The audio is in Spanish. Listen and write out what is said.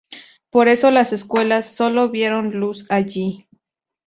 Por eso las secuelas sólo vieron luz allí.